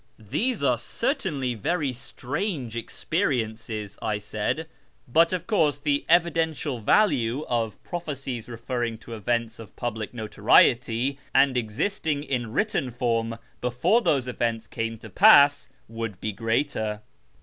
" These are certainly very strange experiences," I said ; "but of course the evidential value of prophecies referring to events of public notoriety, and existing in written form before those events came to pass, would be greater."